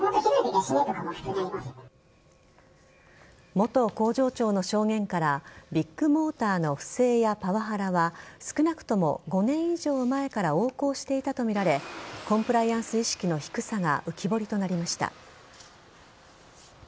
元工場長の証言からビッグモーターの不正やパワハラは少なくとも５年以上前から横行していたとみられコンプライアンス意識の低さが浮き彫りとなりました。